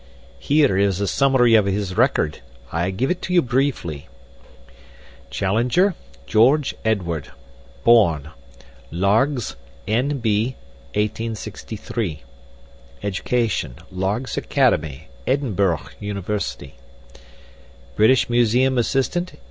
"Here is a summary of his record. I give it you briefly: "'Challenger, George Edward. Born: Largs, N. B., 1863. Educ.: Largs Academy; Edinburgh University. British Museum Assistant, 1892.